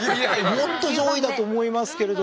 もっと上位だと思いますけれども。